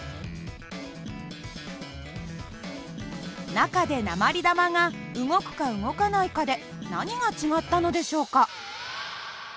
中で鉛玉が動くか動かないかで何が違ったのでしょうか？